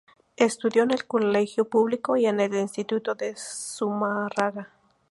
Estudió en el colegio público y en el instituto de Zumárraga.